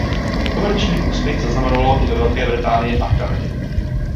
Komerční úspěch zaznamenalo i ve Velké Británii a v Kanadě.